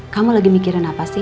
kamu lagi mikirin apa sih